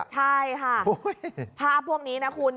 ใช่ค่ะภาพพวกนี้นะคุณ